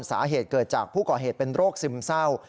สาเหตุเกิดจากผู้ก่อเหตุเป็นโรคซึมเศร้า